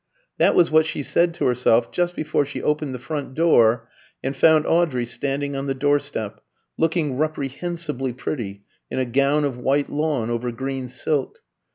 That was what she said to herself just before she opened the front door and found Audrey standing on the doorstep, looking reprehensibly pretty in a gown of white lawn over green silk.